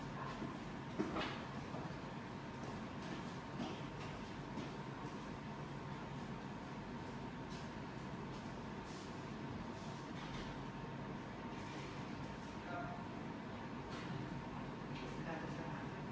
กลุ่มใหม่กับหมอกมือ